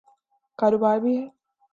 کاروبار بھی ہے۔